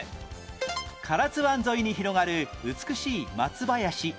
唐津湾沿いに広がる美しい松林